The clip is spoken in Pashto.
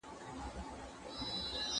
قصاص د ظالم مخه نیسي.